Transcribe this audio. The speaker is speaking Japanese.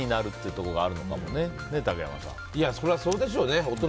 そりゃそうでしょうね。